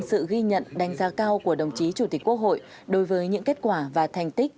sự ghi nhận đánh giá cao của đồng chí chủ tịch quốc hội đối với những kết quả và thành tích